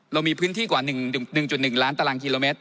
เรามีพื้นที่กว่า๑๑ล้านตารางกิโลเมตร